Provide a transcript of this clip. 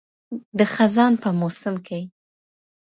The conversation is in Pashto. د خزان په موسم کي